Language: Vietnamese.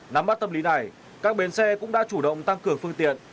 nắm bắt tâm lý này các bến xe cũng đã chủ động tăng cường phương tiện